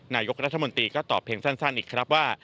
นายกรัฐมนตรีก็ตอบเพียงสั้นอีกครับว่า